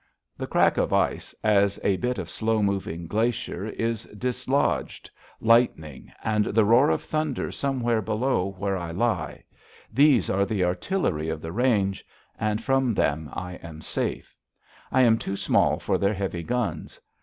The crack of ice as a bit of slow moving glacier is dislodged, lightning, and the roar of thunder somewhere below where I lie these are the artillery of the range, and from them I am safe. I am too small for their heavy guns.